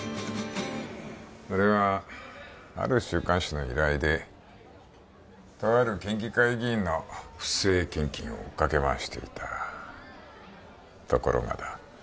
俺はある週刊誌の依頼でとある県議会議員の不正献金を追っかけ回していたところがだ